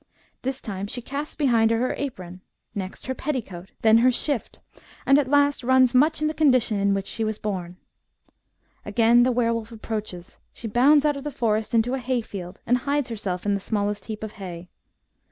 This time she casts behind her her apron, next her petticoat, then her shift, and at last runs much in the condition in which she was bom.' Again the were wolf approaches ; she bounds out of the forest into a hay field, and hides herself in the smallest heap of hay.